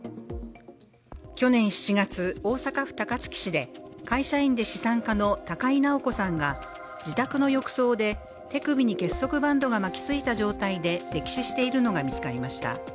去年７月、大阪府高槻市で、会社員で資産家の高井直子さんが自宅の浴槽で手首に結束バンドが巻きついた状態で溺死しているのが見つかりました。